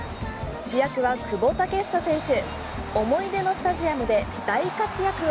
主役は久保建英選手。